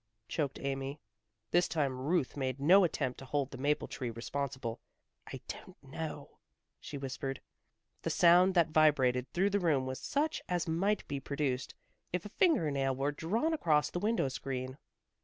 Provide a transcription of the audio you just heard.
choked Amy. This time Ruth made no attempt to hold the maple tree responsible. "I don't know," she whispered. The sound that vibrated through the room was such as might be produced if a finger nail were drawn across the window screen.